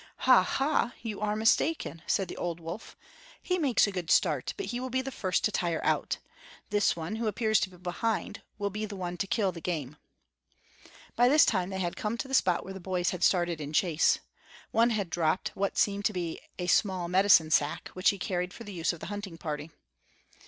"Ha! ha! you are mistaken," said the old wolf. "He makes a good start, but he will be the first to tire out; this one, who appears to be behind, will be the one to kill the game." By this time they had come to the spot where the boys had started in chase. One had dropped what seemed to be a small medicine sack, which he carried for the use of the hunting party.